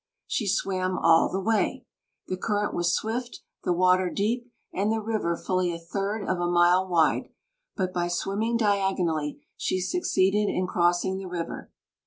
She swam all the way! The current was swift, the water deep, and the river fully a third of a mile wide, but by swimming diagonally she succeeded in crossing the river.